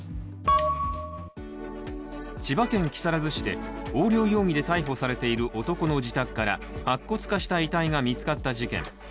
千葉県木更津市で横領容疑で逮捕されている男の自宅から白骨化した遺体が見つかった事件。